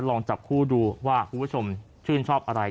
ลองจับคู่ดูว่าคุณผู้ชมชื่นชอบอะไร